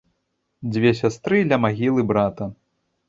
Дзве сястры ля магілы брата.